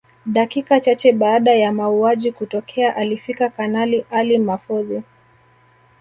Dakika chache baada ya mauaji kutokea alifika Kanali Ali Mahfoudhi